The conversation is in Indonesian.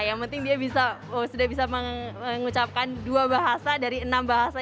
yang penting dia bisa sudah bisa mengucapkan dua bahasa dari enam bahasa